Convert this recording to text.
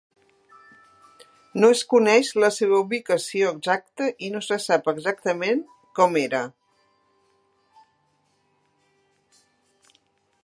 No es coneix la seva ubicació exacta i no se sap exactament com era.